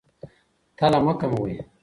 تله مه کموئ.